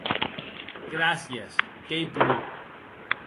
Gràcies, qu'ei pro.